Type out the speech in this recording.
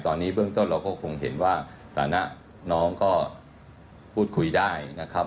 ตอนนี้เบื้องต้นเราก็คงเห็นว่าสถานะน้องก็พูดคุยได้นะครับ